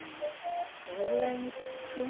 どれぐらいにしとく？